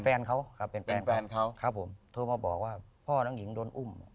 แฟนเขาครับเป็นแฟนแฟนเขาครับผมโทรมาบอกว่าพ่อน้องหญิงโดนอุ้ม